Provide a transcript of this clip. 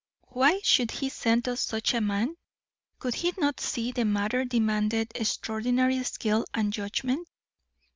Why should he send us such a man? Could he not see the matter demanded extraordinary skill and judgment?"